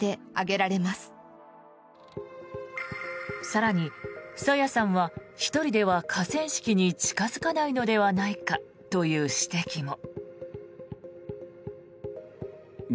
更に、朝芽さんは１人では河川敷に近付かないのではないかという指摘も。